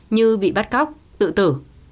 như bị bắt cóc tự tử